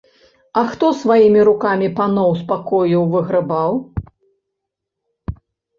А хто сваімі рукамі паноў з пакояў выграбаў?